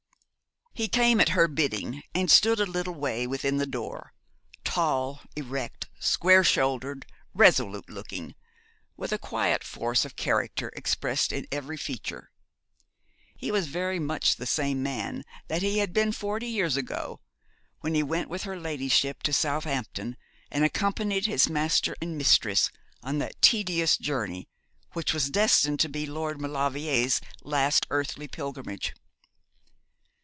He came at her bidding, and stood a little way within the door, tall, erect, square shouldered, resolute looking, with a quiet force of character expressed in every feature. He was very much the same man that he had been forty years ago, when he went with her ladyship to Southampton, and accompanied his master and mistress on that tedious journey which was destined to be Lord Maulevrier's last earthly pilgrimage.